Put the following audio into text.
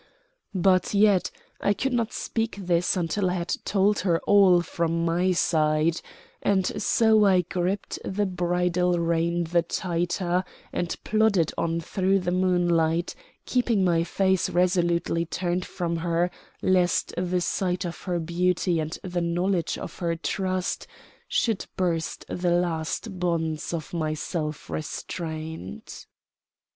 But yet I could not speak this until I had told her all from my side; and so I gripped the bridle rein the tighter and plodded on through the moonlight, keeping my face resolutely turned from her lest the sight of her beauty and the knowledge of her trust should burst the last bonds of my self restraint.